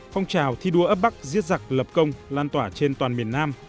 phong trào thi đua ấp bắc giết giặc lập công lan tỏa trên toàn miền nam